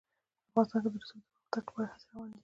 افغانستان کې د رسوب د پرمختګ لپاره هڅې روانې دي.